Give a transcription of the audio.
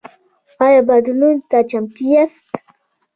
ایا بدلون ته چمتو یاست؟